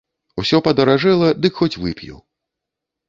Усё падаражэла, дык хоць вып'ю.